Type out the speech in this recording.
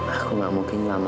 aku nggak mungkin lama deng kamu